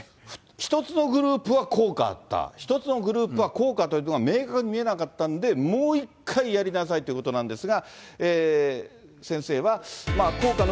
１つのグループは効果あった、１つのグループは効果というのは明確に見えなかったんで、もう１回やりなさいということなんですが。